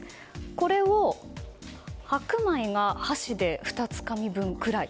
これを白米が箸で２つかみ分ぐらい。